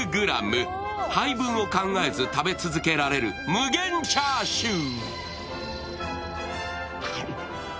配分を考えず食べ続けられる無限チャーシュー。